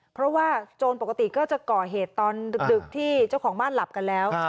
เพราะว่าโจรปกติก็จะก่อเหตุตอนดึกที่เจ้าของบ้านหลับกันแล้ว